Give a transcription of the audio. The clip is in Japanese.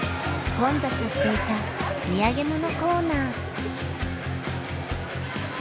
混雑していた土産物コーナー。